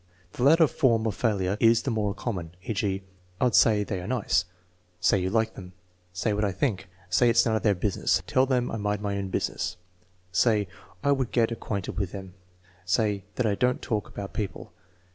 The latter form of failure is the more common; e.g.: "I'd say they are nice." "Say you like them." " Say what I think." "Say it's none of their business." "Tell them I mind my own business." "Say I would get acquainted with them." "Say that I don't talk about people."